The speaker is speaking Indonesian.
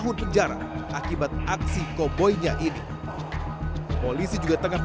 orang orang bisa mensyukai susun admitted who keeping to wound